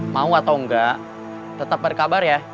mau atau enggak tetap beri kabar ya